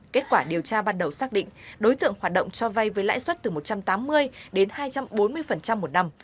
kết quả điều tra ban đầu xác định đối tượng hoạt động cho vay với lãi suất từ một trăm tám mươi đến hai trăm bốn mươi một năm